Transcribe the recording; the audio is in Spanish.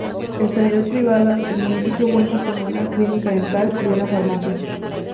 En sanidad privada, el municipio cuenta con una clínica dental y una farmacia.